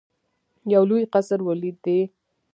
یو لوی قصر ولیدی.